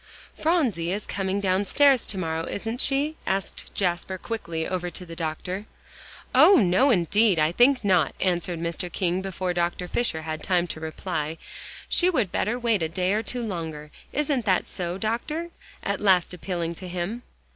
"Phronsie is coming downstairs to morrow, isn't she?" asked Jasper quickly, over to the doctor. "Oh! no, indeed, I think not," answered Mr. King before Dr. Fisher had time to reply. "She would better wait a day or two longer. Isn't that so, Doctor?" at last appealing to him.